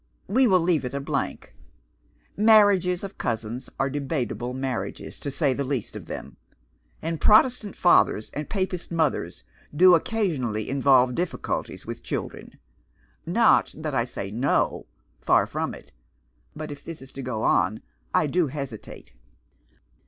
We will leave it a blank. Marriages of cousins are debatable marriages, to say the least of them; and Protestant fathers and Papist mothers do occasionally involve difficulties with children. Not that I say, No. Far from it. But if this is to go on, I do hesitate."